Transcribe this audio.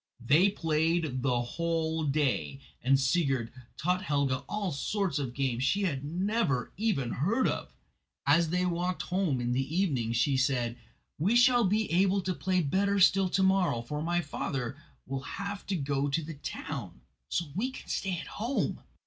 They played the whole day, and Sigurd taught Helga all sorts of games she had never even heard of. As they walked home in the evening she said: "We shall be able to play better still to morrow, for my father will have to go to the town, so we can stay at home."